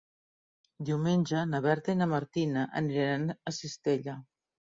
Diumenge na Berta i na Martina aniran a Cistella.